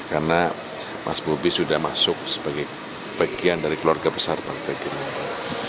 karena mas bobi sudah masuk sebagai bagian dari keluarga besar partai gerindra